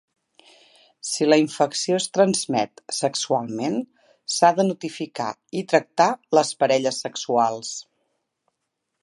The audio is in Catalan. Si la infecció es transmet sexualment, s'ha de notificar i tractar les parelles sexuals.